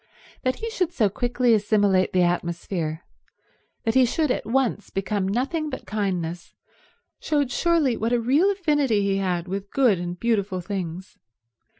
That he should so quickly assimilate the atmosphere, that he should at once become nothing but kindness, showed surely what a real affinity he had with good and beautiful things.